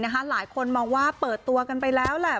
หลายคนมองว่าเปิดตัวกันไปแล้วแหละ